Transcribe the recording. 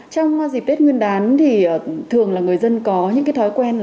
trong dịp tết nguyên đán thì thường là người dân có những cái thói quen